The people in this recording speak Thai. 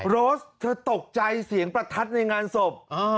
โรสเธอตกใจเสียงประทัดในงานศพ